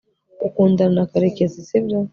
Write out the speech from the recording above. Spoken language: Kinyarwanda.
ukundana na karekezi, sibyo